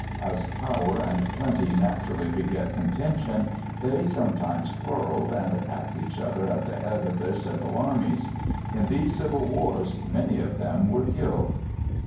As power and plenty naturally beget contention, they sometimes quarrelled, and attacked each other at the head of their several armies. In these civil wars many of them were killed."